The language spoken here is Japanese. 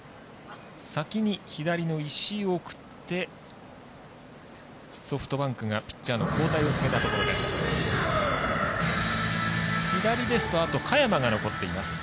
先に左の石井を送ってソフトバンクがピッチャーの交代を告げました。